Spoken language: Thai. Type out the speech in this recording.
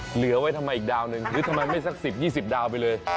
เหลือไว้ทำไมอีกดาวหนึ่งหรือทำไมไม่สัก๑๐๒๐ดาวไปเลย